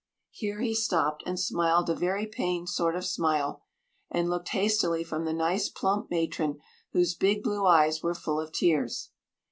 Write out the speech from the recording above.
Here he stopped and smiled a very pained sort of smile, and looked hastily from the nice plump matron whose big blue eyes were full of tears.